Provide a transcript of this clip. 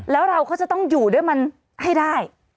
แล้วเราก็จะต้องอยู่ด้วยมันให้ได้